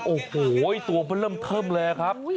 โอ้โหตัวมันเริ่มเทิมเลยครับ